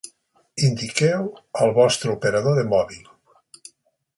Indiqueu el vostre operador de mòbil.